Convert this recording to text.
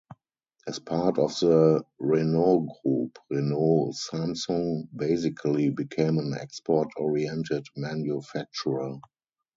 As part of the Renault group, Renault Samsung basically became an export-oriented manufacturer.